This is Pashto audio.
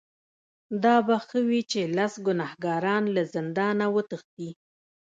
دا به ښه وي چې لس ګناهکاران له زندانه وتښتي.